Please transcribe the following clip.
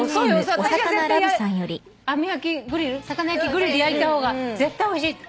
魚焼きグリルで焼いた方が絶対おいしい。